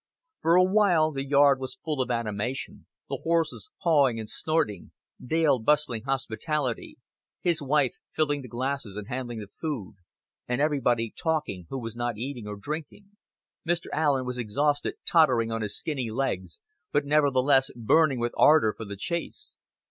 For a while the yard was full of animation, the horses pawing and snorting, Dale bustling hospitably, his wife filling the glasses and handing the food, and everybody talking who was not eating or drinking. Mr. Allen was exhausted, tottering on his skinny legs, but nevertheless burning with ardor for the chase.